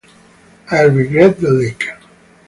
I regret the leak.